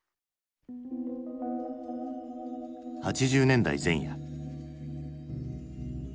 ８０年代前夜。